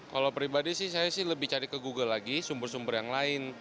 kalau pribadi sih saya sih lebih cari ke google lagi sumber sumber yang lain